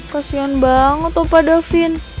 kasian banget opa davin